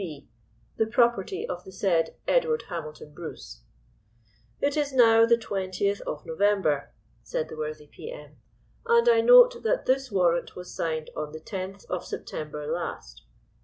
B., the property of the said Edward Hamilton Bruce. It is now the 20th of November," said the worthy P.M., "and I note that this warrant was signed on the 10th of September last.